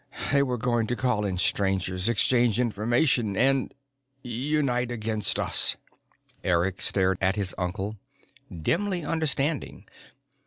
They were going to call in Strangers, exchange information and unite against us!" Eric stared at his uncle, dimly understanding.